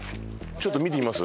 ちょっと見てみます？